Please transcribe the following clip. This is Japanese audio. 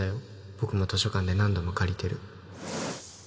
僕も図書館で何度も借りてる